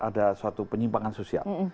ada suatu penyimpangan sosial